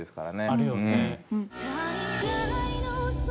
あるよね。